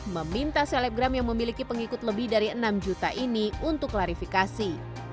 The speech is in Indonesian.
meminta selebgram yang memiliki pengikut lebih dari enam juta ini untuk klarifikasi